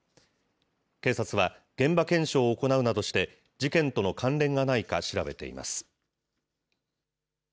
警察は現場検証を行うなどして、事件との関連がないか調べています。